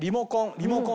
リモコン！